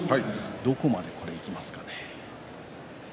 どこまでいきますかね。